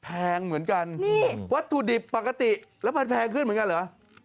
แพงเหมือนกันวัตถุดิบปกติแล้วมันแพงขึ้นเหมือนกันเหรอ